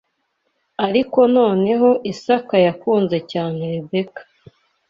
Ariko noneho Isaka yakunze cyane Rebeka